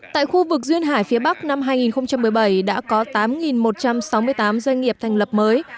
tại khu vực duyên hải phía bắc năm hai nghìn một mươi bảy đã có tám một trăm sáu mươi tám doanh nghiệp thành lập mới